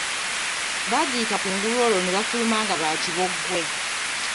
Bagiyita kungulu olwo ne bafuluma nga baakibogwe.